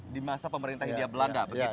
di masa pemerintah india belanda begitu ya